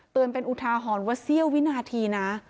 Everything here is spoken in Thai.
เป็นอุทาหรณ์ว่าเสี้ยววินาทีนะ